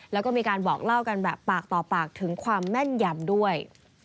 แล้วก็มีการบอกเล่ากันแบบปากต่อปากถึงความแม่นยำด้วย